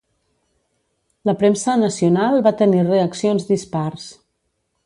La premsa nacional va tenir reaccions dispars.